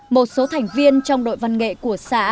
một số thành viên trong đội văn nghệ của xã